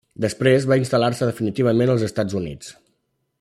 Després va instal·lar-se definitivament als Estats Units.